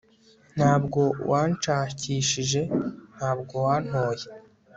Ntabwo wanshakishije ntabwo wantoye